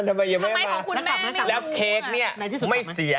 ทำไมยังไม่มาแล้วเค้กเนี่ยไม่เสีย